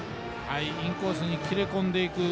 インコースに切れ込んでいく。